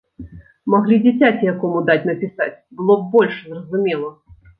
Маглі дзіцяці якому даць напісаць, было б больш зразумела.